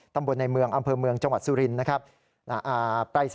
ตำบลในเมืองอำเภอเมืองจังหวัดสุรินทร์นะครับ